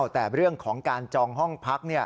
แต่เรื่องของการจองห้องพัก